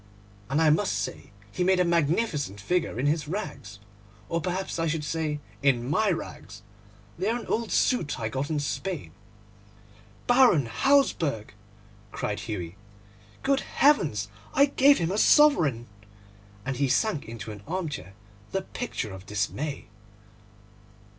And I must say he made a magnificent figure in his rags, or perhaps I should say in my rags; they are an old suit I got in Spain.' 'Baron Hausberg!' cried Hughie. 'Good heavens! I gave him a sovereign!' and he sank into an armchair the picture of dismay.